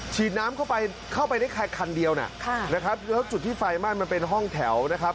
ฉีดน้ำเข้าไปได้แค่คันเดียวนะแล้วจุดที่ไฟมั่นมันเป็นห้องแถวนะครับ